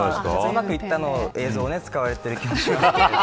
うまくいった映像を使われている気がしますけど。